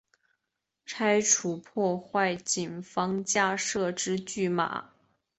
拆除破坏警方架设之拒马